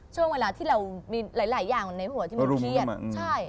ช่วงเวลาที่เรามีหลายอย่างในหัวที่มันเครียดใช่